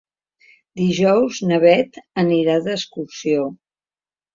Dijous na Beth anirà d'excursió.